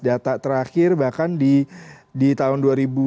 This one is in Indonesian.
data terakhir bahkan di tahun dua ribu dua puluh